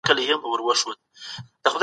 د عزت ساتنه د انسان حق دی.